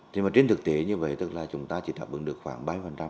thế mà trên thực tế như vậy tức là chúng ta chỉ đã bước được khoảng ba mươi